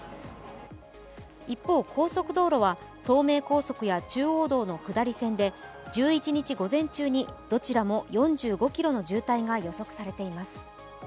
一方、高速道路は東名高速や中央道の下り線で１１日午前中にどちらも４５ｋｍの渋滞が予測されています。